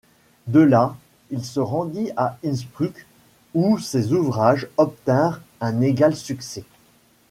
De là il se rendit à Inspruck, où ses ouvrages obtinrent un égal succès.